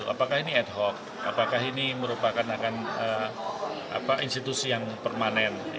apakah ini ad hoc apakah ini merupakan akan institusi yang permanen